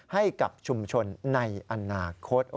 ให้กับชุมชนในอนาคต